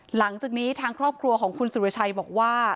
หลังจากนี้ทางครอบครัวของคุณสุรชัยบอกว่า